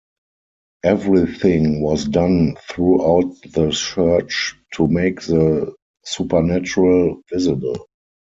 Everything was done throughout the church to make the supernatural visible.